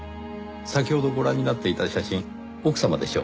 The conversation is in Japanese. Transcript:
先ほどご覧になっていた写真奥様でしょうか？